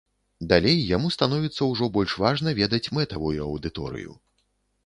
Далей яму становіцца ўжо больш важна ведаць мэтавую аўдыторыю.